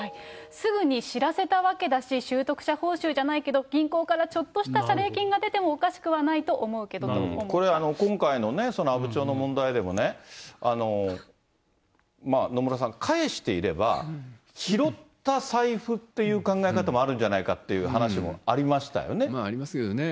すぐに知らせたわけだし、拾得者報酬じゃないけど銀行からちょっとした謝礼金が出てもおかこれ、今回の阿武町の問題でもね、野村さん、返していれば、拾った財布という考え方もあるんじゃないかっていう話もありましまあ、ありますよね。